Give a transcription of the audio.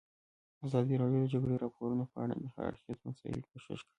ازادي راډیو د د جګړې راپورونه په اړه د هر اړخیزو مسایلو پوښښ کړی.